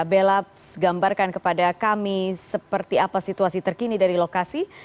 bella gambarkan kepada kami seperti apa situasi terkini dari lokasi